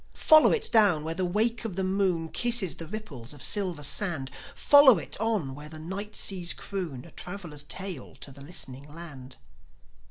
Follow it down where the wake of the moon Kisses the ripples of silver sand; Follow it on where the night seas croon A traveller's tale to the listening land.